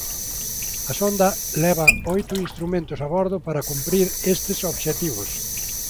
A sonda leva oito instrumentos a bordo para cumprir estes obxectivos.